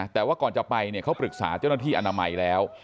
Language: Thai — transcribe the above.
แต่ว่าก่อนจะไปเนี่ยเขาปรึกษาเจ้าหน้าที่อนามัยแล้ว